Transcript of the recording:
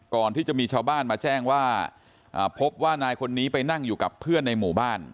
ก่อนที่จะมีชาวบ้านมาแจ้งว่าพบว่านายคนนี้ไปนั่งอยู่กับเพื่อนในหมู่บ้าน